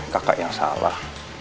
kakak yang salah